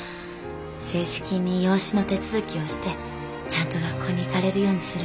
正式に養子の手続きをしてちゃんと学校に行かれるようにするみたいよ。